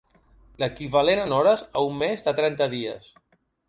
L'equivalent en hores a un mes de trenta dies.